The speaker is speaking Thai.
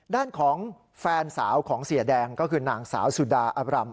ด้านของแฟนสาวของเศรียดังก็คือหญั่งสาวซุดาอับรำ